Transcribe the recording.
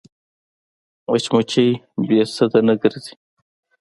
مچمچۍ بې سده نه ګرځي